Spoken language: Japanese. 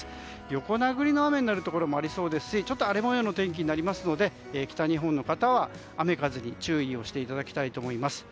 横殴りの雨のところになるところもありそうですし荒れ模様になりそうなので北日本の方は雨風に注意をしていただきたいと思います。